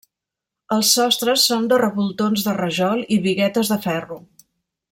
Els sostres són de revoltons de rajol i biguetes de ferro.